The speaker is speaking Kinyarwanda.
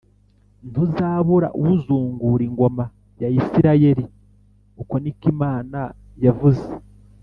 ntuzabura uzungura ingoma ya Isirayeli.’ Uko ni ko Imana yavuze